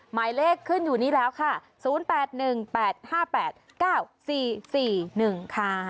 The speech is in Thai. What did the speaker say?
หมายเลขขึ้นอยู่นี่แล้วค่ะ๐๘๑๘๕๘๙๔๔๑ค่ะ